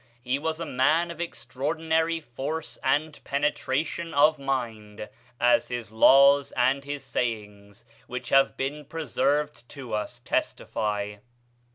He was a man of extraordinary force and penetration of mind, as his laws and his sayings, which have been preserved to us, testify.